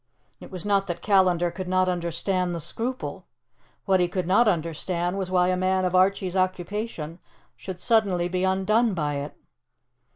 It was not that Callandar could not understand the scruple; what he could not understand was why a man of Archie's occupation should suddenly be undone by it.